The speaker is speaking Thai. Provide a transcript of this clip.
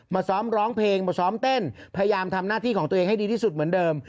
ซ้อมร้องเพลงมาซ้อมเต้นพยายามทำหน้าที่ของตัวเองให้ดีที่สุดเหมือนเดิม